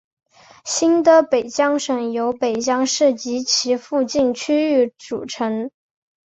新的北江省由北江市及其附近区域组成。